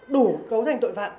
đủ cấu thành tội phạm